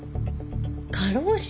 「過労死」？